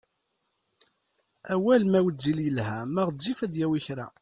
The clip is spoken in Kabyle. Awal ma wezzil yelha ma ɣezzif ad yini kra!